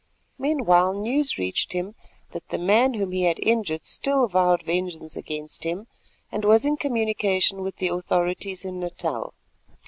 Meanwhile news reached him that the man whom he had injured still vowed vengeance against him, and was in communication with the authorities in Natal.